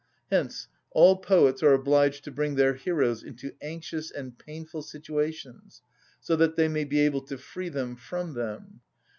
Hence all poets are obliged to bring their heroes into anxious and painful situations, so that they may be able to free them from them.